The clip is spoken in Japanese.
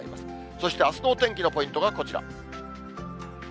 そしてあすのお天気のポイントがこちら。